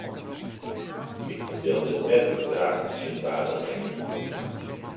Ik fertel dit net út wraak tsjin wa dan ek.